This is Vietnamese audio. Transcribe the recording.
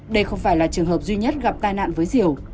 đây không phải là trường hợp duy nhất gặp tai nạn với diều